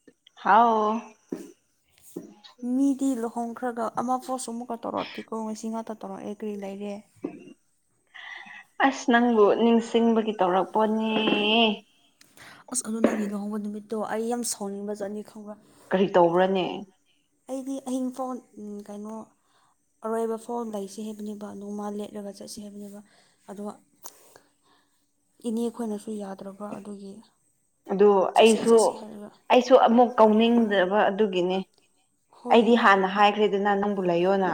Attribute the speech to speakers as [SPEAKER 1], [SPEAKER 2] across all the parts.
[SPEAKER 1] ꯍꯥꯎ
[SPEAKER 2] ꯃꯤꯗꯤ ꯂꯨꯍꯣꯡꯈ꯭ꯔꯒ ꯑꯃ ꯐ‌ꯣꯠꯁꯨ ꯑꯃꯨꯛꯀ ꯇꯧꯔꯛꯛꯇꯦꯀꯣ ꯉꯁꯤ ꯉꯥꯛꯇ ꯇꯧꯔꯛꯑꯦ ꯀꯔꯤ ꯂꯩꯔꯦ
[SPEAKER 1] ꯑꯁ ꯅꯪꯕꯨ ꯅꯤꯡꯁꯤꯡꯕꯒꯤ ꯇꯧꯔꯛꯄꯅꯦ
[SPEAKER 2] ꯑꯁ ꯑꯗꯨ ꯅꯪꯒꯤ ꯂꯨꯍ‌ꯣꯡꯕ ꯅꯨꯃꯤꯠꯇꯣ ꯑꯩ ꯌꯥꯝ ꯁꯥꯎꯅꯤꯡꯕꯖꯥꯠꯅꯤ ꯈꯪꯕ꯭ꯔꯥ
[SPEAKER 1] ꯀꯔꯤ ꯇꯧꯕ꯭ꯔꯅꯦ
[SPEAKER 2] ꯑꯩꯗꯤ ꯑꯍꯤꯡ ꯐ‌ꯣꯟ ꯎꯝ ꯀꯩꯅꯣ ꯑꯔꯣꯏꯕ ꯐꯥꯎ ꯂꯩꯁꯤ ꯍꯥꯏꯕꯅꯤꯕ ꯑꯗꯨ ꯂ‌ꯦꯛꯔꯒ ꯆꯠꯁꯤ ꯍꯥꯏꯕꯅꯦꯕ ꯑꯗ‌ꯣ ꯏꯅꯦ ꯈꯣꯏꯅꯁꯨ ꯌꯥꯗ꯭ꯔꯕ ꯑꯗꯨꯒꯤ
[SPEAKER 1] ꯑꯗꯨ
[SPEAKER 2] ꯆꯠꯁꯤ
[SPEAKER 1] ꯑꯩꯁꯨ
[SPEAKER 2] ꯆꯠꯁꯤ ꯍꯥꯏꯔꯒ
[SPEAKER 1] ꯑꯩ ꯁꯨ ꯑꯃꯨꯛ ꯀꯧꯅꯤꯡꯗꯕ ꯑꯗꯨꯒꯤꯅꯤ
[SPEAKER 2] ꯍꯣꯏ
[SPEAKER 1] ꯑꯩꯗꯤ ꯍꯥꯟꯅ ꯍꯥꯏ ꯈ꯭ꯔ‌ꯦꯗꯅ ꯅꯪꯕꯨ ꯂꯩꯌꯣꯅ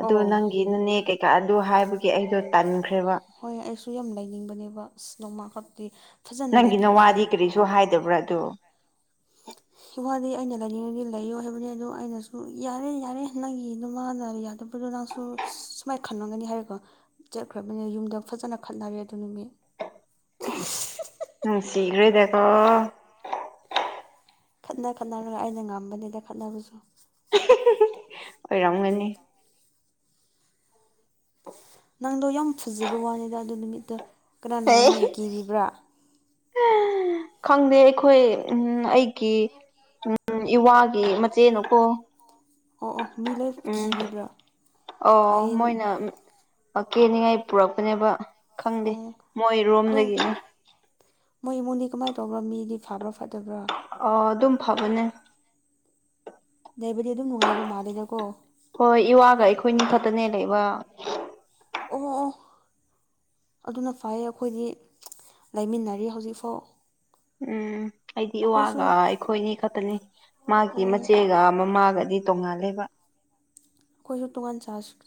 [SPEAKER 1] ꯑꯗꯨ ꯅꯪꯒꯤ ꯅꯅꯦ ꯀꯩꯀꯥ ꯑꯗꯨ ꯍꯥꯏꯕꯒꯤ ꯑꯩꯗꯣ ꯇꯟꯈ꯭ꯔꯦꯕ
[SPEAKER 2] ꯍꯣꯏ ꯑꯩꯁꯨ ꯌꯥꯝ ꯂꯩꯅꯤꯡꯕꯅꯦꯕ ꯑꯁ ꯅꯣꯡꯃꯥ ꯈꯛꯇꯤ ꯐꯖꯅ
[SPEAKER 1] ꯅꯪꯒꯤ
[SPEAKER 2] ꯂꯩꯕꯤꯔꯒ
[SPEAKER 1] ꯅꯋꯥꯗꯤ ꯀꯔꯤꯁꯨ ꯍꯥꯏꯗꯕ꯭ꯔꯥ ꯑꯗꯨ
[SPEAKER 2] ꯏꯋꯥꯗꯤ ꯑꯩꯅ ꯂꯩꯅꯤꯡꯉꯗꯤ ꯂꯩꯌꯣ ꯍꯥꯏꯕꯅꯤ ꯑꯗꯣ ꯑꯩꯅꯁꯨ ꯌꯥꯔꯦ ꯌꯥꯔꯦ ꯅꯪꯒꯤ ꯅꯃꯥꯅ ꯌꯥꯗꯕꯗꯣ ꯅꯪ ꯁꯨ ꯁꯨꯃꯥꯏ ꯈꯜꯂꯝꯒꯅꯤ ꯍꯥꯏꯔꯒ ꯆꯠꯈ꯭ꯔꯕꯅꯤ ꯌꯨꯝꯗ ꯐꯖꯅ ꯈꯠꯅꯔꯦ ꯑꯗꯨ ꯅꯨꯃꯤꯠ
[SPEAKER 1] ꯅꯨꯡꯁꯤꯒ꯭ꯔꯦꯗꯀꯣ
[SPEAKER 2] ꯈꯠꯅ ꯈꯠꯅꯔꯒ ꯑꯩꯅ ꯉꯝꯕꯅꯤꯗ ꯈꯠꯅꯕꯁꯨ
[SPEAKER 1] ꯑꯣꯏꯔꯝꯒꯅꯤ
[SPEAKER 2] ꯅꯪꯗꯣ ꯌꯥꯝ ꯐꯖꯕ ꯋꯥꯅꯤꯗ ꯑꯗꯨ ꯅꯨꯃꯤꯠꯇ ꯀꯅꯥꯅ
[SPEAKER 1] ꯑꯦ
[SPEAKER 2] ꯅꯪꯕꯨꯨ ꯀ‌ꯦꯕꯤꯕ꯭ꯔꯥ
[SPEAKER 1] ꯈꯪꯗꯦ ꯑꯩꯈꯣꯏ ꯎꯝ ꯑꯩꯒꯤ ꯎꯝ ꯏꯋꯥꯒꯤ ꯃꯆꯦꯅꯀꯣ
[SPEAKER 2] ꯑꯣ ꯑꯣ ꯃꯤ ꯂꯣꯏ
[SPEAKER 1] ꯎꯝ
[SPEAKER 2] ꯈꯤꯕꯤꯕ꯭ꯔꯥ
[SPEAKER 1] ꯑꯣ
[SPEAKER 2] ꯐꯩꯌꯦ
[SPEAKER 1] ꯃꯣꯏꯅ ꯀꯦꯅꯤꯡꯉꯥꯏ ꯄꯨꯔꯛꯄꯅꯦꯕ ꯈꯪꯗꯦ
[SPEAKER 2] ꯑꯣ ꯑꯗꯨ
[SPEAKER 1] ꯃꯣꯏꯔꯣꯝꯗꯒꯤꯅꯦ
[SPEAKER 2] ꯃꯣꯏ ꯏꯃꯨꯡꯗꯤ ꯀꯃꯥꯏꯅ ꯇꯧꯕ꯭ꯔꯣ ꯃꯤꯗꯤ ꯐꯥꯕ꯭ꯔꯥ ꯐꯠꯇꯕ꯭ꯔꯥ
[SPEAKER 1] ꯑ ꯑꯗꯨꯝ ꯐꯕꯅꯦ
[SPEAKER 2] ꯂꯩꯕꯗꯤ ꯑꯗꯨꯝ ꯅꯨꯡꯉꯥꯏꯕ ꯃꯥꯜꯂꯤꯗꯀꯣ
[SPEAKER 1] ꯍꯣꯏ ꯏꯋꯥꯒ ꯑꯩꯈꯣꯏꯅꯤ ꯈꯛꯇꯅꯦ ꯂꯩꯕ
[SPEAKER 2] ꯑꯣ ꯑꯣ ꯑꯗꯨꯅ ꯐꯩꯌꯦ ꯑꯩꯈꯣꯏꯗꯤ ꯂꯩꯃꯤꯟꯅꯔꯤ ꯍꯧꯖꯤꯛꯐꯥꯎ
[SPEAKER 1] ꯎꯝ ꯑꯩꯗꯤ
[SPEAKER 2] ꯑꯩꯈꯣꯏꯁꯨ
[SPEAKER 1] ꯏꯋꯥꯒ ꯑꯩꯈꯣꯏꯅꯤ ꯈꯛꯇꯅꯤ ꯃꯥꯒꯤ
[SPEAKER 2] ꯑꯩꯈꯣꯏꯁꯨ
[SPEAKER 1] ꯃꯆꯦꯒ ꯃꯃꯥꯒꯗꯤ ꯇꯣꯡꯉꯥꯟ ꯂꯦꯕ
[SPEAKER 2] ꯑꯩꯈꯣꯏꯁꯨ ꯇꯣꯉꯥꯟ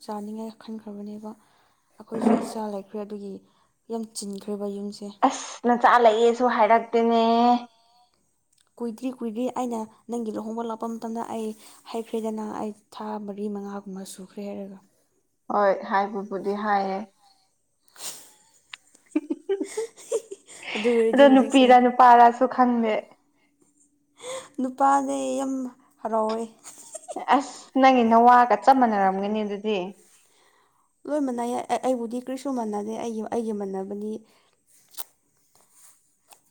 [SPEAKER 2] ꯆꯥꯅꯤꯡꯉꯥꯏ ꯈꯟꯈ꯭ꯔꯕꯅꯦꯕ ꯑꯩꯈꯣꯏꯁꯨ ꯏꯆꯥ ꯂꯩ ꯈ꯭ꯔꯦ ꯑꯗꯨꯒꯤ ꯌꯥꯝ ꯆꯤꯟꯈ꯭ꯔꯦꯕ ꯌꯨꯝꯁꯦ
[SPEAKER 1] ꯅꯆꯥꯂꯩꯑꯦꯁꯨ ꯍꯥꯏꯔꯛꯇꯦꯅꯦ
[SPEAKER 2] ꯀꯨꯏꯗ꯭ꯔꯤ ꯀꯨꯏꯗ꯭ꯔꯤ ꯑꯩꯅ ꯅꯪꯒꯤ ꯂꯨꯍꯣꯡꯕ ꯂꯥꯛꯄ ꯃꯇꯝꯗ ꯑꯩ ꯍꯢꯈ꯭ꯔꯦꯗꯅ ꯑꯩ ꯊꯥ ꯃꯔꯤ ꯃꯉꯥꯒꯨꯝꯕ ꯁꯨꯈ꯭ꯔꯦ ꯍꯥꯏꯔꯒ
[SPEAKER 1] ꯍꯣꯏ ꯍꯥꯏꯕꯕꯨꯗꯤ ꯍꯥꯏꯌꯦ
[SPEAKER 2] ꯑꯗꯨ ꯑꯣꯏꯔꯗꯤ
[SPEAKER 1] ꯑꯗꯣ
[SPEAKER 2] ꯍꯧꯖꯤꯛꯁꯦ
[SPEAKER 1] ꯅꯨꯄꯤꯔ ꯅꯨꯄꯥꯔꯁꯨ ꯈꯪꯘꯦ
[SPEAKER 2] ꯅꯨꯄꯥꯅꯦ ꯌꯥꯝ ꯍꯔꯥꯎꯋꯦ
[SPEAKER 1] ꯑꯁ ꯅꯪꯒꯤ ꯅꯋꯥꯒ ꯆꯞ ꯃꯥꯟꯅꯔꯝꯒꯅꯤ ꯑꯗꯨꯗꯤ
[SPEAKER 2] ꯂꯣꯏ ꯃꯥꯟꯅꯩꯌꯦ ꯑꯩꯕꯨꯗꯤ ꯀ꯭ꯔꯤꯁꯨ ꯃꯥꯟꯅꯗꯦ ꯑꯩꯒꯤ ꯑꯩꯒꯤ ꯃꯥꯟꯅꯕꯗꯤ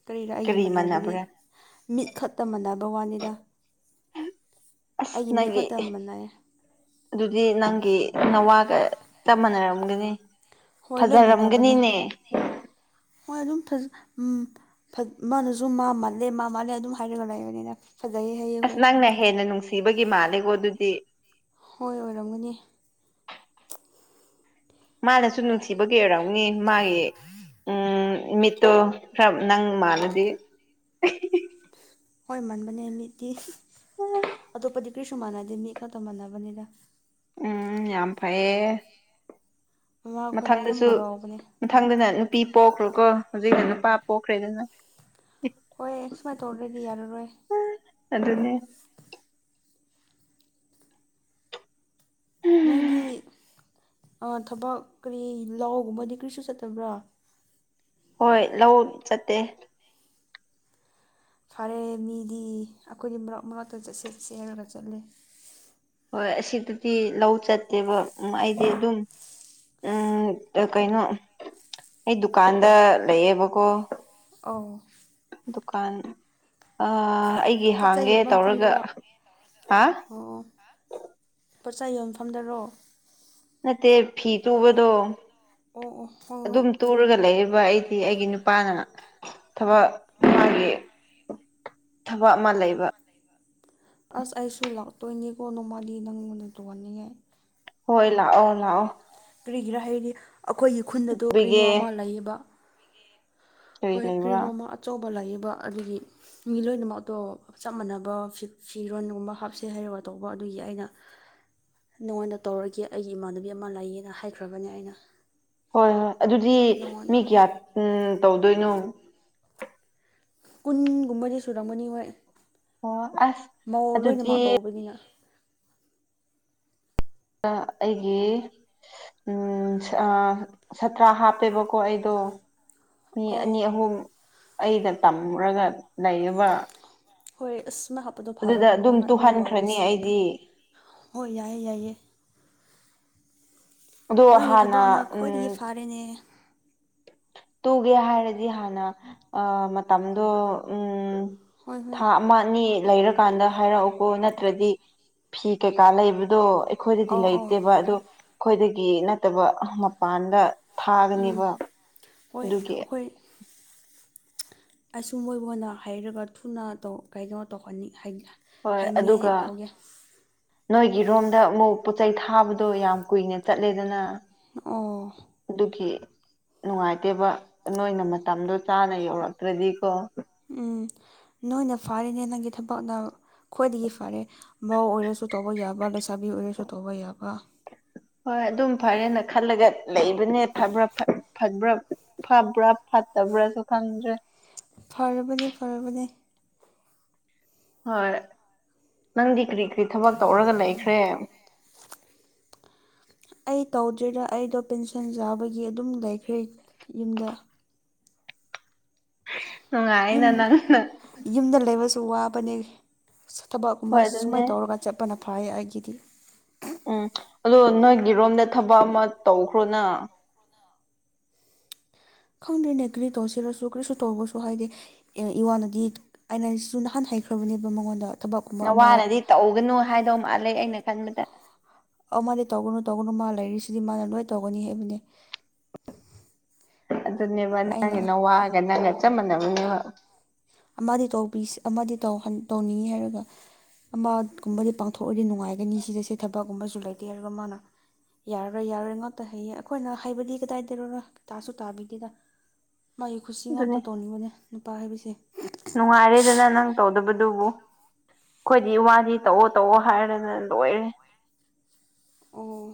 [SPEAKER 2] ꯀꯔꯤꯔꯥ ꯑꯩꯒꯤ
[SPEAKER 1] ꯀꯔꯤ
[SPEAKER 2] ꯃꯥꯟꯅꯕꯗꯤ
[SPEAKER 1] ꯃꯥꯟꯅꯕ꯭ꯔꯥ
[SPEAKER 2] ꯃꯤꯠ ꯈꯛꯇ ꯃꯥꯟꯅꯕ ꯋꯥꯅꯤꯗ
[SPEAKER 1] ꯑꯁ
[SPEAKER 2] ꯑꯩꯒꯤ ꯃꯤꯠ
[SPEAKER 1] ꯅꯪꯒꯤ
[SPEAKER 2] ꯈꯛꯇ ꯃꯥꯟꯅꯩ
[SPEAKER 1] ꯑꯗꯨꯗꯤ ꯅꯪꯒꯤ ꯅꯋꯥꯒ ꯆꯞ ꯃꯥꯟꯅꯔꯝꯒꯅꯤ
[SPEAKER 2] ꯍꯣꯏ ꯂꯣꯏ ꯃꯥꯟꯅꯕꯅꯦ
[SPEAKER 1] ꯐꯖꯔꯝꯒꯅꯤꯅꯦ
[SPEAKER 2] ꯍꯣꯏ ꯑꯗꯨꯝ ꯐꯖꯩ ꯃꯥꯅꯁꯨ ꯃꯥ ꯃꯥꯜꯂꯦ ꯃꯥ ꯃꯥꯜꯂꯦ ꯑꯗꯨꯝ ꯍꯥꯏꯔꯒ ꯂꯩꯕꯅꯤꯅ ꯐꯖꯩ ꯍꯥꯏ
[SPEAKER 1] ꯑꯁ ꯅꯪꯅ ꯍꯦꯟꯅ ꯅꯨꯡꯁꯤꯕꯒꯤ ꯃꯥꯜꯂꯦꯀꯣ ꯑꯗꯨꯗꯤ
[SPEAKER 2] ꯍꯣꯏ ꯑꯣꯏꯔꯝꯒꯅꯤ
[SPEAKER 1] ꯃꯥꯅꯁꯨ ꯅꯨꯡꯁꯤꯕꯒꯤ ꯑꯣꯏꯔꯝꯅꯤ ꯃꯥꯒꯤ ꯎꯝ ꯃꯤꯠꯇꯣ ꯈꯔ ꯅꯪ ꯃꯥꯥꯟꯅꯗꯤ
[SPEAKER 2] ꯍꯣꯏ ꯃꯥꯟꯕꯅꯦ ꯃꯤꯠꯇꯤ ꯑꯇꯣꯞꯄꯗꯤ ꯀꯔꯤꯁꯨ ꯃꯥꯟꯅꯗꯦ ꯃꯤꯠ ꯈꯛꯇ ꯃꯥꯟꯅꯕꯅꯤꯗ
[SPEAKER 1] ꯎꯝ ꯌꯝꯐꯩꯌꯦ
[SPEAKER 2] ꯃꯃꯥꯈꯣꯏꯅ ꯌꯥꯝ
[SPEAKER 1] ꯃꯊꯪꯗꯁꯨ
[SPEAKER 2] ꯍꯔꯥꯎꯕꯅꯦ
[SPEAKER 1] ꯃꯊꯪꯗꯅ ꯅꯨꯄꯤ ꯄꯣꯛꯈ꯭ꯔꯣꯀꯣ ꯍꯧꯖꯤꯛꯅ ꯅꯨꯄꯥ ꯄꯣꯛꯈ꯭ꯔꯦ ꯑꯗꯨꯅ
[SPEAKER 2] ꯍꯣꯏ ꯁꯨꯃꯥꯏꯅ ꯇꯧꯔ ꯒꯗꯤ ꯌꯥꯔꯔꯣꯏ
[SPEAKER 1] ꯑꯗꯨꯅꯦ
[SPEAKER 2] ꯅꯪꯢꯘꯤ ꯑ ꯊꯕꯛ ꯀꯔꯤ ꯂꯥꯎꯒꯨꯝꯕꯗꯤ ꯀꯔꯤꯁꯨ ꯆꯠꯇꯕ꯭ꯔꯥ
[SPEAKER 1] ꯍꯣꯏ ꯂꯧ ꯆꯠꯇꯦ
[SPEAKER 2] ꯐꯔꯦ ꯃꯤꯗꯤ ꯑꯩꯈꯣꯏꯗꯤ ꯃꯔꯛ ꯃꯔꯛꯇ ꯆꯠꯁꯦ ꯆꯠꯁꯦ ꯍꯢꯔꯒ ꯆꯠꯂꯦ
[SPEAKER 1] ꯍꯣꯏ ꯑꯁꯤꯗꯗꯤ ꯂꯧ ꯆꯠꯇꯦꯕ ꯎ ꯑꯩꯗꯤ ꯑꯗꯨꯝ ꯎꯝ ꯀꯩꯅꯣ ꯑꯩ ꯗꯨꯀꯥꯟꯗ ꯂꯩꯌꯦꯕꯀꯣ
[SPEAKER 2] ꯑꯧ
[SPEAKER 1] ꯗꯨꯀꯥꯟ ꯑꯩꯒꯤ
[SPEAKER 2] ꯄꯣꯠ ꯆꯩ
[SPEAKER 1] ꯍꯥꯡꯒꯦ
[SPEAKER 2] ꯌꯣꯟꯕ
[SPEAKER 1] ꯇꯧꯔꯒ
[SPEAKER 2] ꯃꯐꯝꯗꯔꯣ ꯑꯣ
[SPEAKER 1] ꯍꯥ
[SPEAKER 2] ꯄꯣꯠꯆꯩ ꯌꯣꯟꯐꯝꯗꯔꯣ
[SPEAKER 1] ꯅꯠꯇꯦ ꯐꯤ ꯇꯨꯕꯗꯣ
[SPEAKER 2] ꯑꯣ ꯑꯣ ꯍꯣꯏ ꯍꯣꯏ
[SPEAKER 1] ꯑꯗꯨꯝ ꯇꯨꯔꯒ ꯂꯩꯌꯦꯕ ꯑꯩ ꯍꯥꯏ ꯑꯩꯒꯤ ꯅꯨꯄꯥꯅ ꯊꯕꯛ ꯃꯥꯒꯤ ꯊꯕꯛ ꯑꯃ ꯂꯩꯕ
[SPEAKER 2] ꯑꯁ ꯑꯩꯁꯨ ꯂꯥꯛꯇꯣꯏꯅꯤꯀꯣ ꯅꯣꯡꯃꯥꯜꯂꯤ ꯅꯪꯉꯣꯟꯗ ꯇꯣꯡꯍꯅꯤꯉꯦ
[SPEAKER 1] ꯍꯣꯏ ꯂꯥꯛꯑꯣ ꯂꯥꯛꯑꯣ
[SPEAKER 2] ꯀꯔꯤꯒꯤꯔꯥ ꯍꯥꯏꯗꯤ ꯑꯩꯈꯣꯏꯒꯤ ꯈꯨꯟꯗꯗꯣ ꯀꯔꯤꯅꯣ
[SPEAKER 1] ꯇꯨꯕꯤꯒꯦ
[SPEAKER 2] ꯑꯃ ꯂꯩꯌꯦꯕ
[SPEAKER 1] ꯀꯔꯤ
[SPEAKER 2] ꯍꯣꯏ
[SPEAKER 1] ꯂꯩꯕ꯭ꯔꯥ
[SPEAKER 2] ꯀ꯭ꯔꯤꯅꯣꯝ ꯑꯃ ꯑꯆꯧꯕ ꯂꯥꯛꯌꯦꯕ ꯑꯗꯨꯗꯒꯤ ꯃꯤ ꯂꯣꯏꯅꯃꯛ ꯑꯇꯣꯞ ꯆꯞ ꯃꯥꯟꯅꯕ ꯐꯤꯔꯣꯟꯒꯨꯝꯕ ꯍꯥꯞꯁꯦ ꯍꯥꯎꯔꯒ ꯇꯧꯕ ꯑꯗꯨꯒꯤ ꯑꯩꯅ ꯅꯉꯣꯟꯗ ꯇꯧꯔꯒꯦ ꯑꯩꯒꯤ ꯏꯃꯥꯟꯅꯕꯤ ꯑꯃ ꯂꯩꯌꯦꯅ ꯍꯥꯏꯈ꯭ꯔꯕꯅꯦ ꯑꯩꯅ
[SPEAKER 1] ꯍꯣꯏ ꯍꯣꯏ ꯑꯗꯨꯗꯤ ꯃꯤ
[SPEAKER 2] ꯅꯉꯣꯟꯗ
[SPEAKER 1] ꯀꯌꯥ ꯇꯧꯗꯣꯏꯅꯣ
[SPEAKER 2] ꯀꯨꯟꯒꯨꯝꯕꯗꯤ ꯁꯨꯔꯝꯒꯅꯤ ꯍꯣꯏ
[SPEAKER 1] ꯑꯣ ꯑꯁ
[SPEAKER 2] ꯃꯧ ꯂꯣꯏꯅ
[SPEAKER 1] ꯑꯗꯨꯗꯤ
[SPEAKER 2] ꯃꯥꯥꯛ ꯇꯧꯕꯅꯤꯅ
[SPEAKER 1] ꯑꯩꯒꯤ ꯎꯝ ꯁꯠꯇ꯭ꯔꯥ ꯍꯥꯄꯦꯕꯀꯣ ꯑꯩꯗꯣ ꯃꯤ
[SPEAKER 2] ꯑꯧ
[SPEAKER 1] ꯑꯅꯤ ꯑꯍꯨꯝ ꯑꯩꯗ ꯇꯝꯨꯔꯒ ꯂꯩꯏꯕ
[SPEAKER 2] ꯍꯣꯏ ꯑꯁꯃ [unintelligible] ꯍꯥꯞꯄꯗꯣ ꯐꯥꯔꯕꯅꯤ
[SPEAKER 1] ꯑꯗꯨꯝ
[SPEAKER 2] ꯅꯪꯅ ꯀꯔꯤ ꯋꯥꯕꯅ
[SPEAKER 1] ꯇꯨꯍꯟꯈ꯭ꯔꯅꯤ
[SPEAKER 2] ꯁꯤꯖꯒ
[SPEAKER 1] ꯑꯩꯗꯤ
[SPEAKER 2] ꯍꯣꯏ ꯌꯥꯏꯌꯦ ꯌꯥꯏꯌꯦ
[SPEAKER 1] ꯑꯗꯣ
[SPEAKER 2] ꯅꯪꯒꯤ
[SPEAKER 1] ꯍꯥꯟꯅ
[SPEAKER 2] ꯊꯕꯛꯅ
[SPEAKER 1] ꯎꯝ
[SPEAKER 2] ꯈ꯭ꯋꯥꯏꯗꯒꯤ ꯐꯥꯔꯦꯅꯦ
[SPEAKER 1] ꯇꯨꯒꯦ ꯍꯥꯏꯔꯗꯤ ꯍꯥꯟꯅ ꯑ ꯃꯇꯝꯗꯣ ꯎꯝ
[SPEAKER 2] ꯍꯣꯏ ꯍꯣꯏ
[SPEAKER 1] ꯊꯥ ꯑꯃ ꯑꯅꯤ ꯂꯩꯔꯀꯥꯟꯗ ꯍꯥꯏꯔꯛꯎꯀꯣ ꯅꯠꯇ꯭ꯔꯗꯤ ꯐꯤ ꯀꯩꯀꯥ ꯂꯩꯕꯗꯣ ꯑꯩꯈꯣꯏꯗꯗꯤ
[SPEAKER 2] ꯑꯧ ꯑꯧ
[SPEAKER 1] ꯂꯩꯇꯦꯕ ꯑꯗꯣ ꯑꯩꯈꯣꯏꯗꯒꯤ ꯅꯠꯇꯕ ꯃꯄꯥꯟꯗ
[SPEAKER 2] ꯎꯝ
[SPEAKER 1] ꯊꯥꯒꯅꯦꯕ
[SPEAKER 2] ꯍꯣꯏ
[SPEAKER 1] ꯑꯗꯨꯒꯤ
[SPEAKER 2] ꯑꯩꯈꯣꯏ ꯑꯁꯨꯝ ꯃꯣꯏꯕꯨꯅ ꯍꯥꯏꯩꯔꯒ ꯊꯨꯅ ꯇꯧ ꯀꯩ ꯀꯩꯅꯣ ꯇꯧꯍꯟꯅꯤꯡ ꯍꯥꯏ
[SPEAKER 1] ꯍꯣꯏ ꯑꯗꯨꯒ ꯅꯣꯏꯒꯤꯔꯣꯝꯗ ꯑꯃꯨꯛ ꯄꯣꯠ ꯆꯩꯩ ꯊꯥꯕꯗꯣ ꯌꯥꯝ ꯀꯨꯏꯅ ꯆꯠꯂꯦꯗꯅ
[SPEAKER 2] ꯎꯝ
[SPEAKER 1] ꯑꯗꯨꯒꯤ ꯅꯨꯡꯉꯥꯏꯇꯦꯕ ꯅꯣꯏꯅ ꯃꯇꯝꯗꯣ ꯆꯥꯅ ꯌꯧꯔꯛꯇ꯭ꯔꯗꯤꯀꯣ
[SPEAKER 2] ꯎꯝ ꯅꯣꯏꯅ ꯐꯥꯔꯤꯅꯦ ꯅꯪꯒꯤ ꯊꯕꯛꯅ ꯈ꯭ꯋꯥꯏꯗꯒꯤ ꯐꯔꯦ ꯃꯍꯎ ꯑꯣꯏꯔꯁꯨ ꯇꯧꯕ ꯌꯥꯕ ꯂꯩꯁꯥꯕꯤ ꯑꯣꯏꯔꯁꯨ ꯇꯧꯕ ꯌꯥꯕ
[SPEAKER 1] ꯍꯣꯏ ꯑꯗꯨꯝ ꯐꯔꯦꯅ ꯈꯜꯂꯒ ꯂꯩꯕꯅꯦ ꯐꯕ꯭ꯔꯥ ꯐꯕ꯭ꯔꯥ ꯐꯥꯕ꯭ꯔꯥ ꯐꯠꯇꯕ꯭ꯔꯥꯁꯨ ꯈꯪꯗ꯭ꯔꯦ
[SPEAKER 2] ꯐꯔꯕꯅꯦ ꯐꯔꯕꯅꯦ
[SPEAKER 1] ꯍꯣꯏ ꯅꯪꯗꯤ ꯀꯔꯤ ꯀꯔꯤ ꯊꯕꯛ ꯇꯧꯔꯒ ꯂꯩꯈ꯭ꯔꯦ
[SPEAKER 2] ꯑꯩ ꯇꯧꯗ꯭ꯔꯤꯗ ꯑꯩꯗꯣ ꯄꯦꯟꯁꯟ ꯆꯥꯕꯒꯤ ꯑꯗꯨꯝ ꯂꯩꯈ꯭ꯔꯦ ꯌꯨꯝꯗ ꯌꯨꯝ
[SPEAKER 1] ꯅꯨꯡꯉꯥꯏꯅ ꯅꯪ
[SPEAKER 2] ꯌꯨꯝꯗ ꯂꯩꯕꯁꯨ ꯋꯥꯕꯅꯦ ꯊꯕꯛꯀꯨꯝꯕ
[SPEAKER 1] ꯍꯣꯏ ꯑꯗꯨꯅꯦ
[SPEAKER 2] ꯁꯨꯃꯥꯏꯅ ꯇꯧꯔꯒ ꯆꯠꯄꯅ ꯐꯩ ꯑꯩꯒꯤꯗꯤ
[SPEAKER 1] ꯎꯝ ꯑꯗꯣ ꯅꯣꯏꯒꯤꯔꯣꯝꯗ ꯊꯕꯛ ꯑꯃ ꯇꯧꯈ꯭ꯔꯣꯅ
[SPEAKER 2] ꯈꯪꯗꯦꯅꯦ ꯀꯔꯤ ꯇꯧꯁꯤꯔꯁꯨ ꯀꯔꯤꯁꯨ ꯇꯧꯔꯁꯨ ꯍꯥꯏꯗꯤ ꯑ‌ꯦ ꯏꯋꯥꯅꯗꯤ ꯑꯩꯅꯁꯨ ꯅꯍꯥꯟ ꯍꯩꯈ꯭ꯔꯕꯅꯦꯕ ꯃꯉꯣꯟꯗ ꯊꯕꯛꯀꯨꯝꯕ ꯑꯃ
[SPEAKER 1] ꯅꯋꯥꯅꯗꯤ ꯇꯧꯒꯅꯨ ꯍꯥꯏꯗꯧ ꯃꯥꯜꯂ ꯑꯩꯅ ꯈꯟꯕꯗ
[SPEAKER 2] ꯑ ꯃꯥꯗꯤ ꯇꯧꯒꯅꯨ ꯇꯧꯒꯅꯨ ꯃꯥ ꯂꯩꯔꯤꯁꯤꯗꯤ ꯃꯥꯅ ꯂꯣꯏ ꯇꯧꯒꯅꯤ ꯍꯥꯏꯕꯅꯦ
[SPEAKER 1] ꯑꯗꯨꯅꯦꯕ
[SPEAKER 2] ꯑꯩꯅ
[SPEAKER 1] ꯅꯪꯒꯤꯅ ꯅꯋꯥꯑꯒ ꯅꯪꯒ ꯆꯞ ꯃꯥꯟꯅꯕ
[SPEAKER 2] ꯑꯃꯗꯤ ꯇꯧꯕ ꯑꯃꯗꯤ ꯇꯧꯅꯤꯡꯉꯤ ꯍꯥꯏꯔꯒ ꯑꯃꯒꯨꯝꯕꯗꯤ ꯄꯥꯡꯊꯣꯛꯑꯗꯤ ꯅꯨꯡꯉꯥꯏꯒꯅꯤ ꯁꯤꯗꯁꯦ ꯊꯕꯛꯀꯨꯝꯕꯁꯨ ꯂꯩꯇꯦ ꯍꯥꯏꯔꯒ ꯃꯥꯅ ꯌꯥꯔꯔꯣꯏ ꯌꯥꯔꯣꯏ ꯉꯥꯛꯇ ꯍꯩꯌꯦ ꯑꯩꯈꯣꯏꯅ ꯍꯥꯏꯕꯗꯤ ꯀꯗꯥꯏꯗꯔꯔ ꯀꯇꯥꯁꯨ ꯇꯥꯕꯤꯒꯦꯗ
[SPEAKER 1] [inaudible]
[SPEAKER 2] ꯃꯥꯒꯤ ꯈꯨꯠꯁꯤ ꯉꯥꯛꯇ
[SPEAKER 1] ꯑꯗꯨꯅꯦ
[SPEAKER 2] ꯇꯧꯅꯤꯡꯕꯅꯦ ꯅꯨꯄꯥ ꯍꯥꯏꯕꯁꯦ
[SPEAKER 1] ꯅꯨꯡꯉꯥꯏꯔꯦꯗꯅ ꯅꯪ ꯇꯧꯗꯕꯗꯨꯕꯨ ꯑꯩꯈꯣꯏꯗꯤ ꯋꯥꯗꯤ ꯇꯧꯑꯣ ꯇꯧꯑꯣ ꯍꯥꯏꯔꯅ ꯂꯣꯏꯔꯦ
[SPEAKER 2] ꯑꯣ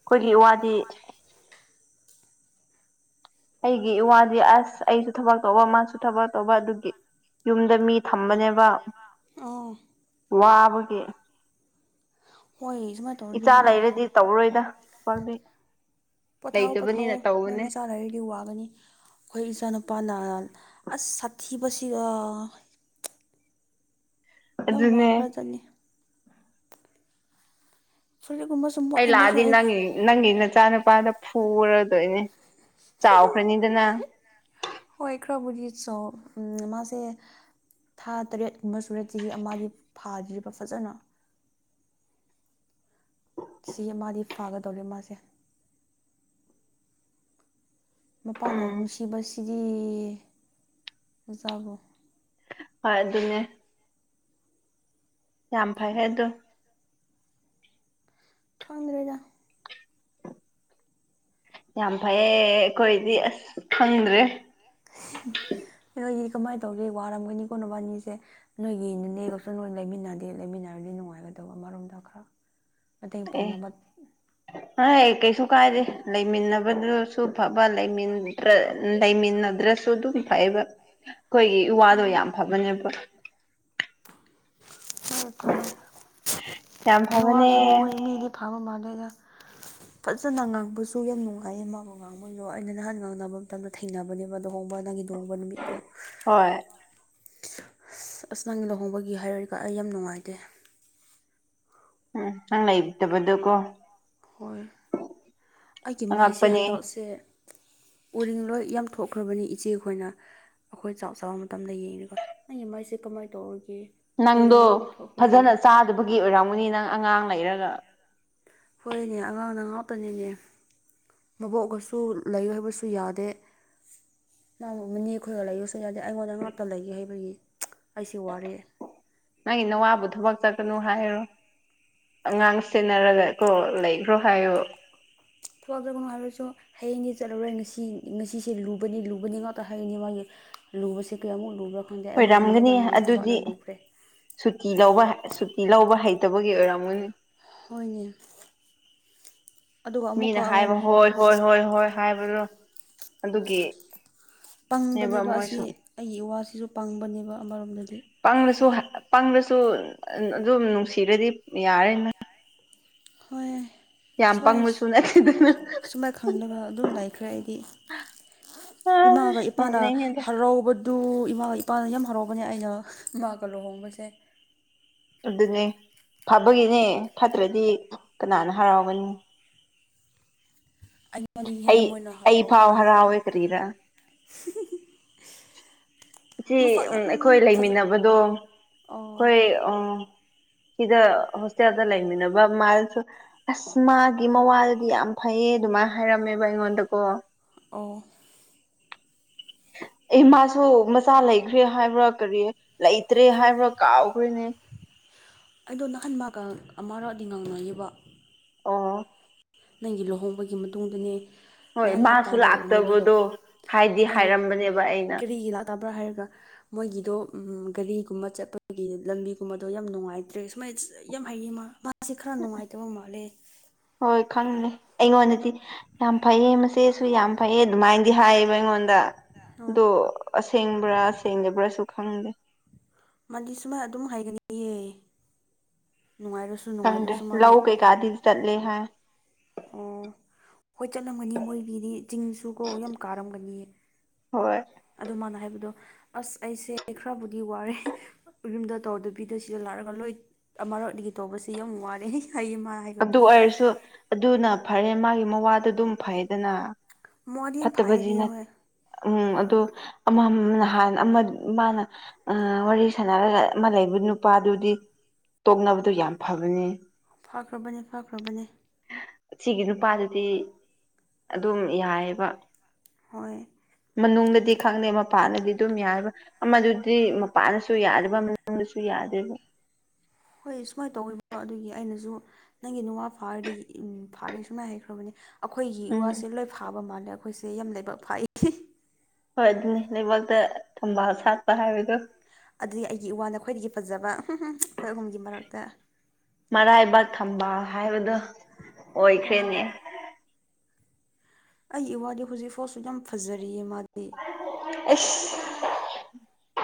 [SPEAKER 1] ꯑꯩꯈꯣꯏꯒꯤ ꯋꯥꯗꯤ ꯑꯩꯒꯤ ꯏ ꯋꯥꯗꯤ ꯑꯁ ꯑꯩꯁꯨ ꯊꯕꯛ ꯇꯧꯕ ꯃꯥꯁꯨ ꯊꯕꯛ ꯇꯧꯕ ꯑꯗꯨꯒꯤ ꯌꯨꯝꯗ ꯃꯤ ꯊꯝꯕꯅꯦꯕ
[SPEAKER 2] ꯑꯥ
[SPEAKER 1] ꯋꯥꯕꯒꯤ
[SPEAKER 2] ꯃ‌ꯣꯏ ꯁꯨꯃꯥꯏꯟ
[SPEAKER 1] ꯏꯆꯥ ꯂꯩꯔꯗꯤ ꯇꯧꯔꯣꯏꯗ
[SPEAKER 2] ꯄꯣꯊꯥꯎꯑꯣ ꯄꯣꯊꯥꯑꯣ
[SPEAKER 1] ꯂꯩꯇꯕꯅꯤꯅ
[SPEAKER 2] ꯅꯣꯏ
[SPEAKER 1] ꯇꯧꯕꯅꯦ
[SPEAKER 2] ꯅꯆꯥ ꯂꯩꯔꯗꯤ ꯋꯥꯒꯅꯤ ꯑꯩꯈꯣꯏ ꯏꯆꯥ ꯅꯨꯄꯥꯅ ꯑꯁ ꯁꯥꯊꯤꯕꯁꯤ ꯑꯥ ꯌꯥꯝ
[SPEAKER 1] ꯑꯗꯨꯅꯦ
[SPEAKER 2] ꯋꯥꯈ꯭ꯔꯖꯅꯤ ꯐꯔꯤꯠꯒꯨꯝꯕꯁꯨ
[SPEAKER 1] ꯑꯩ ꯂꯥꯛꯑꯗꯤ ꯅꯪ ꯅꯪꯒꯤ ꯅꯆꯥ ꯅꯨꯄꯥꯅ ꯐꯨꯔꯗꯣꯏꯅꯦ ꯆꯥꯎꯈ꯭ꯔꯅꯤꯗꯅ
[SPEAKER 2] ꯍꯣꯏ ꯏ꯭ꯔꯕꯨꯗꯤ ꯆꯣ ꯎꯝ ꯃꯥꯁꯦ ꯊꯥ ꯇꯔꯦꯠꯀꯨꯝꯕ ꯁꯨꯔꯦ ꯆꯍꯤ ꯑꯃꯗꯤ ꯐꯥꯗ꯭ꯔꯤꯕ ꯐꯖꯅ ꯁꯤ ꯃꯥꯗꯤ ꯐꯥꯒꯗꯧꯔꯤ ꯃꯥꯁꯦ ꯃꯄꯥꯟꯗ
[SPEAKER 1] ꯎꯝ
[SPEAKER 2] ꯅꯨꯡꯁꯤꯕꯁꯤꯗꯤ ꯃꯥꯆꯥꯕꯨ
[SPEAKER 1] ꯍ‌ꯣꯏ ꯑꯗꯨꯅꯦ ꯌꯥꯝ ꯐꯩꯍ‌ꯦ ꯑꯗꯨ
[SPEAKER 2] ꯈꯪꯗ꯭ꯔꯦꯗ
[SPEAKER 1] ꯌꯥꯝ ꯐꯩꯌꯦ ꯑꯩꯈꯣꯏꯗꯤ ꯑꯁ ꯈꯪꯗ꯭ꯔꯦ
[SPEAKER 2] ꯅꯈꯣꯏꯗꯤ ꯀꯃꯥꯏꯅ ꯇꯧꯒꯦ ꯋꯥꯔꯝꯒꯅꯤꯀꯣ ꯅꯕꯅꯤꯁꯦ ꯅꯣꯏꯒꯤꯅꯤꯅꯦꯒꯁꯨ ꯅꯣꯏ ꯂꯩꯃꯤꯟꯅꯗꯦ ꯂꯩꯃꯤꯟꯅꯔꯗꯤ ꯅꯨꯡꯉꯥꯏꯒꯗꯧꯕ ꯃꯔꯣꯝꯗ ꯈꯔ
[SPEAKER 1] [inaudible]
[SPEAKER 2] ꯃꯇꯦꯡ ꯄꯥꯡꯅꯕ
[SPEAKER 1] ꯍ‌ꯣꯏ ꯀꯩꯁꯨ ꯀꯥꯏꯗꯦ ꯂꯩꯃꯤꯟꯅꯕꯗꯨꯁꯨ ꯐꯕ ꯂꯩꯃꯤꯟꯅ ꯂꯩꯃꯤꯟꯅꯗ꯭ꯔꯦꯁꯨ ꯑꯗꯨꯝ ꯐꯩꯕ ꯑꯩꯈꯣꯏꯒꯤ ꯏꯋꯥꯗꯣ ꯌꯥꯝ
[SPEAKER 2] ꯍꯣꯏ
[SPEAKER 1] ꯐꯕꯅꯦꯕ ꯌꯥꯝ ꯐꯕꯅꯦ
[SPEAKER 2] ꯐꯔ‌ꯦ ꯐꯥꯕ ꯃꯥꯂꯦꯗ ꯐꯖꯅ ꯉꯥꯡꯕꯁꯨ ꯌꯥꯝ ꯅꯨꯡꯉꯥꯏꯌꯦ ꯃꯥꯕꯨ ꯉꯥꯡꯕꯩꯗꯣ ꯑꯩꯅ ꯅꯍꯥꯟ ꯉꯥꯡꯅꯕ ꯃꯇꯝꯗ ꯊꯩꯅꯅꯕꯅꯦꯕ ꯂꯨꯍꯣꯡꯕ ꯅꯪꯒꯤ ꯂꯨꯍꯣꯡꯕ ꯅꯨꯃꯤꯠꯇꯣ
[SPEAKER 1] ꯍꯣꯏ
[SPEAKER 2] ꯑꯁ ꯅꯪꯒꯤ ꯂꯨꯍꯣꯡꯕꯒꯤ ꯍꯥꯏꯔꯗꯤꯀꯣ ꯑꯩ ꯌꯥꯝ ꯅꯨꯡꯉꯥꯏꯇꯦ
[SPEAKER 1] ꯎꯝ ꯅꯪ ꯂꯩꯇꯕꯗꯣꯀꯣ
[SPEAKER 2] ꯍꯣꯏ ꯑꯩꯒꯤ ꯃꯩꯁꯦ
[SPEAKER 1] ꯑꯉꯛꯄꯅꯦ
[SPEAKER 2] ꯍꯟꯗꯛꯁꯦ ꯎꯔꯤ ꯂꯣꯏ ꯌꯥꯝ ꯊꯣꯛꯈ꯭ꯔꯕꯅꯤ ꯏꯆꯦꯈꯣꯏꯅ ꯑꯩꯈꯣꯏ ꯆꯥꯛ ꯆꯥꯕ ꯃꯇꯝꯗ ꯌꯦꯡꯅꯤꯀꯣ ꯅꯪꯒꯤ ꯃꯥꯏꯁꯦ ꯀꯃꯥꯏꯅ ꯇꯧꯔꯒꯦ
[SPEAKER 1] ꯅꯪꯗꯣ
[SPEAKER 2] ꯎꯔꯤꯡ ꯌꯥꯝ
[SPEAKER 1] ꯐꯖꯅ
[SPEAKER 2] ꯊꯣꯛꯈ꯭ꯔꯦꯌꯦ
[SPEAKER 1] ꯆꯥꯗꯕꯒꯤ ꯑꯣꯏꯔꯝꯒꯅꯤ ꯅꯪ ꯑꯉꯥꯡ ꯂꯩꯔꯒ
[SPEAKER 2] ꯍꯣꯏꯅꯦ ꯑꯉꯥꯡꯅ ꯉꯥꯛꯇꯅꯤꯅꯦ ꯃꯕꯣꯛꯒꯁꯨ ꯂꯩ ꯍꯥꯏꯕꯁꯨ ꯌꯥꯗꯦ ꯏꯅꯥꯒꯨꯝꯕꯅꯤ ꯑꯩꯈꯣꯏꯒ ꯂꯩꯌꯨꯁꯨ ꯌꯥꯗꯦ ꯑꯩꯉꯣꯟꯗ ꯉꯥꯛꯇ ꯂꯩꯒꯦ ꯍꯥꯏꯕꯒꯤ ꯑꯩꯁꯤ ꯋꯥꯔꯦ
[SPEAKER 1] ꯅꯪꯒꯤ ꯅꯋꯥꯕꯨ ꯊꯕꯛ ꯆꯠꯀꯅꯨ ꯍꯥꯏꯔꯣ ꯑꯉꯥꯡ ꯁꯦꯟꯅꯔꯒꯀꯣ ꯂꯩꯈ꯭ꯔꯣ ꯍꯥꯏꯌꯣ
[SPEAKER 2] ꯊꯣꯛꯇꯕꯅꯣ ꯍꯥꯏꯔꯁꯨ ꯍꯌꯦꯡꯗꯤ ꯆꯠꯂꯔꯣꯏ ꯉꯁꯤ ꯉꯁꯤꯁꯦ ꯂꯨꯕꯅꯤ ꯂꯨꯕꯅꯤ ꯉꯥꯛꯇ ꯍꯥꯏꯒꯅꯤ ꯃꯥꯒꯤ ꯂꯨꯕꯁꯦ ꯀꯌꯥꯃꯨꯛ ꯂꯨꯕ꯭ꯔꯥ ꯈꯪꯗꯦ ꯑꯩꯉꯣꯟꯗꯒꯤ
[SPEAKER 1] ꯑꯣꯏꯔꯝꯒꯅꯤ
[SPEAKER 2] ꯍꯦꯟꯅ ꯃꯥꯒꯤ ꯊꯕꯛꯅ
[SPEAKER 1] ꯑꯗꯨꯗꯤ
[SPEAKER 2] ꯂꯨꯈ꯭ꯔꯦ
[SPEAKER 1] ꯁꯨꯇꯤ ꯂꯧꯕ ꯁꯨꯇꯤ ꯂꯧꯕ ꯍꯩꯇꯕꯒꯤ ꯑꯣꯏꯔꯝꯃꯅꯤ
[SPEAKER 2] ꯍꯣꯏꯅꯦ ꯑꯗꯨꯒ ꯑꯃꯨꯛꯀ
[SPEAKER 1] ꯃꯤꯅ ꯍꯥꯏꯕ
[SPEAKER 2] ꯑꯩꯉꯣꯟꯗ
[SPEAKER 1] ꯍꯣꯏ ꯍꯣꯏ ꯍꯣꯏ ꯍꯣꯏ ꯍꯥꯏꯕꯗꯣ ꯑꯗꯨꯒꯤ
[SPEAKER 2] ꯄꯪꯕꯅꯦꯕ ꯑꯁꯤ ꯑꯩꯒꯤ ꯏꯋꯥꯁꯤꯁꯨ ꯄꯪꯕꯅꯦꯕ ꯑꯃꯔꯣꯝꯗꯗꯤ
[SPEAKER 1] ꯄꯪꯔꯁꯨ ꯄꯪꯔꯁꯨ ꯑꯗꯨꯝ ꯅꯨꯡꯁꯤꯔꯗꯤ ꯌꯥꯔꯦꯅ
[SPEAKER 2] ꯍꯣꯏ
[SPEAKER 1] ꯌꯥꯝ
[SPEAKER 2] ꯁꯨꯃꯥꯏ
[SPEAKER 1] ꯄꯪꯕꯁꯨ ꯅꯠꯇꯦꯗꯅ
[SPEAKER 2] ꯁꯨꯃꯥꯏꯅ ꯈꯟꯂꯒ ꯑꯗꯨꯝ ꯂꯥꯏꯈ꯭ꯔꯦ ꯑꯩꯗꯤ
[SPEAKER 1] ꯑ
[SPEAKER 2] ꯏꯃꯥꯒ ꯏꯄꯥꯅ
[SPEAKER 1] ꯅꯣꯛꯅꯤꯡꯉꯤꯗ
[SPEAKER 2] ꯍꯔꯥꯎꯕ ꯗꯨ ꯏꯃꯥꯒ ꯏꯄꯥꯅ ꯌꯥꯝ ꯍꯔꯥꯎꯕꯅꯦ ꯑꯩꯅ ꯃꯥꯒ ꯂꯨꯍꯣꯡꯕꯁꯦ
[SPEAKER 1] ꯑꯗꯨꯅꯦ ꯐꯕꯒꯤꯅꯦ ꯐꯠꯇ꯭ꯔꯗꯤ ꯀꯅꯥꯅ ꯍꯔꯥꯎꯒꯅꯤ
[SPEAKER 2] ꯑꯩꯉꯣꯟꯗꯒꯤ ꯍꯦꯟꯅ
[SPEAKER 1] ꯑꯩ
[SPEAKER 2] ꯃꯣꯏꯅ
[SPEAKER 1] ꯑꯩ ꯐꯥꯎ
[SPEAKER 2] ꯍꯔꯥꯎꯈ꯭ꯔꯕ ꯋꯥꯅꯤ
[SPEAKER 1] ꯍꯔꯥꯎꯋꯦ ꯀꯔꯤꯔꯥ ꯁꯤ
[SPEAKER 2] ꯃꯁꯛ
[SPEAKER 1] ꯎꯝ
[SPEAKER 2] ꯌꯥꯝ
[SPEAKER 1] ꯑꯩꯈꯣꯏ
[SPEAKER 2] ꯐꯖ
[SPEAKER 1] ꯂꯩꯃꯤꯟꯅꯕꯗꯣ
[SPEAKER 2] ꯑꯣ
[SPEAKER 1] ꯍꯣꯏ ꯑꯥ ꯁꯤꯗ ꯍꯣꯁꯇꯦꯜꯗ ꯂꯩꯃꯤꯟꯅꯕ ꯃꯥꯏꯜꯁꯨ ꯑꯁ ꯃꯥꯒꯤ ꯃꯋꯥꯗꯨꯗꯤ ꯌꯥꯝ ꯐꯩꯌꯦ ꯑꯗꯨꯃꯥꯏꯅ ꯍꯥꯏꯔꯝꯃꯦꯕ ꯑꯩꯉꯣꯟꯗꯀꯣ
[SPEAKER 2] ꯑꯣ
[SPEAKER 1] ꯑꯦ ꯃꯥꯁꯨ ꯃꯆꯥ ꯂꯩꯈ꯭ꯔꯦ ꯍꯥꯏꯕ꯭ꯔꯥ ꯀꯔꯤ ꯂꯩꯇ꯭ꯔꯦ ꯍꯥꯏꯕ꯭ꯔꯥ ꯀꯥꯎꯈ꯭ꯔꯦꯅꯦ
[SPEAKER 2] ꯑꯩꯗꯣ ꯅꯍꯥꯟ ꯃꯥꯒ ꯑꯃꯔꯛꯗꯤ ꯉꯥꯡꯅꯩꯌꯦꯕ
[SPEAKER 1] ꯑꯣ
[SPEAKER 2] ꯅꯪꯒꯤ ꯂꯨꯍꯣꯡꯕꯒꯤ ꯃꯇꯨꯡꯗꯅꯦ
[SPEAKER 1] ꯍꯣꯏ
[SPEAKER 2] ꯅꯍꯥꯟ
[SPEAKER 1] ꯃꯥꯁꯨ
[SPEAKER 2] ꯍꯞꯇꯥꯗ ꯑꯣꯏꯔꯝꯒꯅꯤ
[SPEAKER 1] ꯂꯥꯛꯇꯕꯗꯣ ꯍꯥꯏꯗꯤ
[SPEAKER 2] ꯑꯩꯅ
[SPEAKER 1] ꯍꯥꯏꯔꯝꯕꯅꯦꯕ ꯑꯩꯅ
[SPEAKER 2] ꯀꯔꯤꯒꯤ ꯂꯥꯛꯇꯕ꯭ꯔꯥ ꯍꯥꯏꯔꯒ ꯃꯣꯏꯒꯤꯗꯣ ꯒꯥꯔꯤꯒꯨꯝꯕ ꯆꯠꯄꯒꯤ ꯂꯝꯕꯤꯒꯨꯝꯕꯗꯣ ꯌꯥꯝ ꯅꯨꯡꯉꯥꯏꯇ꯭ꯔꯦ ꯁꯨꯃꯥꯏꯅ ꯌꯥꯝ ꯍꯩꯌꯦ ꯃꯥ ꯁꯤ ꯈꯔ ꯅꯨꯡꯉꯥꯏꯇꯕ ꯃꯥꯜꯂꯦ
[SPEAKER 1] ꯍꯣꯏ ꯈꯪꯅꯤ ꯑꯩꯉꯣꯟꯗꯗꯤ ꯌꯥꯝ ꯐꯩꯌꯦ ꯃꯆꯦꯁꯨ ꯌꯥꯝ ꯐꯩꯌꯦ ꯑꯗꯨꯃꯥꯏꯅꯗꯤ ꯍꯥꯏꯌꯦꯕ ꯑꯩꯉꯣꯟꯗ
[SPEAKER 2] ꯑꯣ
[SPEAKER 1] ꯗꯣ ꯑꯁꯦꯡꯕ꯭ꯔꯥ ꯁꯦꯡꯗꯕ꯭ꯔꯥꯁꯨ ꯈꯪꯗꯦ
[SPEAKER 2] ꯃꯥꯗꯤ ꯁꯨꯃꯥꯏ ꯑꯗꯨꯝ ꯍꯥꯏꯒꯅꯤꯌꯦ ꯅꯨꯡꯉꯥꯏꯔꯁ
[SPEAKER 1] ꯈꯪꯗꯦ ꯂꯧ ꯀꯩꯀꯥꯗꯤ ꯆꯠꯂꯦ ꯍꯥꯏ
[SPEAKER 2] ꯑꯣ ꯍꯣꯏ ꯆꯠꯂꯝꯒꯅꯤ ꯃꯣꯏꯒꯤꯗꯤ ꯆꯤꯡꯁꯨ ꯀꯣ ꯌꯥꯝ ꯀꯥꯔꯝꯒꯅꯤꯌꯦ
[SPEAKER 1] ꯍꯣꯏ
[SPEAKER 2] ꯑꯗꯨ ꯃꯥꯅ ꯍꯥꯏꯕꯗꯣ ꯑꯁ ꯑꯩꯁꯦ ꯈꯔꯕꯨꯗꯤ ꯋꯥꯔꯦ ꯔꯨꯝꯗ ꯇꯧꯗꯕꯤꯗ ꯁꯤꯗ ꯂꯥꯛꯔꯒ ꯂꯣꯏ ꯑꯃꯔꯣꯗꯒꯤ ꯇꯧꯕꯁꯦ ꯌꯥꯝ ꯋꯥꯔꯦ ꯍꯥꯏꯌꯦ ꯃꯥ
[SPEAKER 1] ꯑꯗꯨ
[SPEAKER 2] ꯍꯥꯏꯕꯗꯣ
[SPEAKER 1] ꯑꯣꯏꯔꯁꯨ ꯑꯗꯨꯅ ꯐꯔꯦ ꯃꯥꯒꯤ ꯃꯋꯥꯗꯣ ꯑꯗꯨꯝ ꯐꯩꯗꯅ
[SPEAKER 2] ꯃꯥꯗꯤ ꯌꯥꯝ ꯐꯩꯌꯦ
[SPEAKER 1] ꯐꯠꯇꯕꯗꯤ
[SPEAKER 2] ꯍꯥꯏꯌꯦ
[SPEAKER 1] ꯅꯠ
[SPEAKER 2] ꯍꯣꯏ
[SPEAKER 1] ꯎꯝ ꯑꯗꯣ ꯑꯃ ꯅꯍꯥꯟ ꯑꯃ ꯃꯥꯅ ꯑꯥ ꯋꯥꯔꯤ ꯁꯥꯟꯅꯔꯒ ꯑꯃ ꯂꯩꯕ ꯅꯨꯄꯥꯗꯨꯗꯤ ꯇꯣꯛꯅꯕꯗꯣ ꯌꯥꯝ ꯐꯕꯅꯦ
[SPEAKER 2] ꯐꯈ꯭ꯔꯕꯅꯦ ꯐꯈ꯭ꯔꯕꯅꯦ
[SPEAKER 1] ꯁꯤꯒꯤ ꯅꯨꯄꯥꯗꯨꯗꯤ ꯑꯗꯨꯝ ꯌꯥꯏꯌꯦꯕ
[SPEAKER 2] ꯍꯣꯏ
[SPEAKER 1] ꯃꯅꯨꯡꯗꯗꯤ ꯈꯪꯗꯦ ꯃꯄꯥꯟꯗꯗꯤ ꯗꯨꯝ ꯌꯥꯏꯕ ꯑꯃꯗꯨꯗꯤ ꯃꯄꯥꯟꯗꯁꯨ ꯌꯥꯗꯕ ꯃꯅꯨꯡꯗꯁꯨ ꯌꯥꯗꯦꯕ
[SPEAKER 2] ꯍꯣꯏ ꯁꯨꯃꯥꯏꯅ ꯇꯧꯋꯦꯕ ꯑꯗꯨꯒꯤ ꯑꯩꯅꯖꯨ ꯅꯪꯒꯤ ꯅꯨꯡꯉ ꯐꯥꯔꯗꯤ ꯎ ꯐꯥꯔꯦ ꯁꯨꯃꯥꯏꯅ ꯍꯈ꯭ꯔꯕꯅꯦ ꯑꯩꯈꯣꯏꯒꯤ
[SPEAKER 1] ꯎꯝ
[SPEAKER 2] ꯏꯋꯥꯁꯦ ꯂꯣꯏ ꯐꯥꯕ ꯃꯥꯜꯂꯦ ꯑꯩꯈꯣꯏꯁꯦ ꯌꯥꯝ ꯂꯥꯏꯕꯛ ꯐꯥꯏ
[SPEAKER 1] ꯍꯣꯏ ꯑꯗꯨꯅꯤ ꯂꯩꯕꯥꯛꯇ ꯊꯝꯕꯥꯜ ꯁꯥꯠꯄ ꯍꯥꯏꯕꯗꯣ
[SPEAKER 2] ꯑꯗꯤ ꯑꯩꯒꯤ ꯏꯁꯥꯅ ꯈ꯭ꯋꯥꯏꯗꯒꯤ ꯐꯖꯕ ꯑꯩꯈꯣꯏ ꯑꯍꯨꯝꯒꯤ ꯃꯔꯛꯇ
[SPEAKER 1] ꯃꯔꯥꯏꯕꯥꯛ ꯊꯝꯕꯥꯜ ꯍꯥꯏꯕꯗ
[SPEAKER 2] ꯍꯣꯏ
[SPEAKER 1] ꯑꯣꯏꯈ꯭ꯔꯦꯅꯦ
[SPEAKER 2] ꯑꯩꯒꯤ ꯋꯥꯗꯤ ꯍꯧꯖꯤꯛꯐꯥꯎꯁꯨ ꯌꯥꯝ ꯐꯖꯔꯤꯌꯦ ꯃꯥꯗꯤ
[SPEAKER 1] ꯑꯁ